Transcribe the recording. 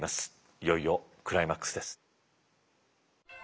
いよいよクライマックスです。